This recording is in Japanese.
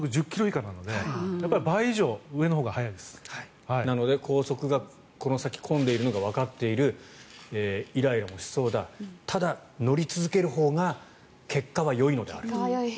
下で混むと時速１０ｋｍ以下なのでなので高速がこの先混んでいるのがわかっているイライラもしそうだただ、乗り続けるほうが結果はよいのであると。